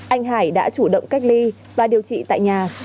anh hải đã chủ động cách ly và điều trị tại nhà